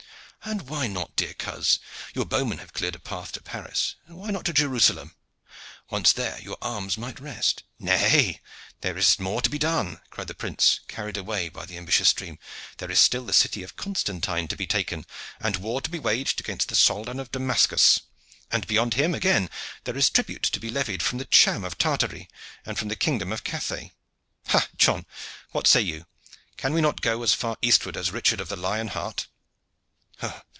"And why not, dear coz? Your bowmen have cleared a path to Paris, and why not to Jerusalem? Once there, your arms might rest." "Nay, there is more to be done," cried the prince, carried away by the ambitious dream. "There is still the city of Constantine to be taken, and war to be waged against the Soldan of Damascus. And beyond him again there is tribute to be levied from the Cham of Tartary and from the kingdom of Cathay. Ha! John, what say you? Can we not go as far eastward as Richard of the Lion Heart?"